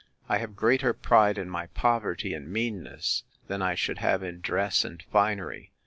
I have greater pride in my poverty and meanness, than I should have in dress and finery.